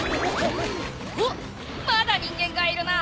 おっまだ人間がいるな。